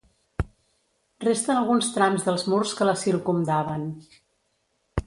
Resten alguns trams dels murs que la circumdaven.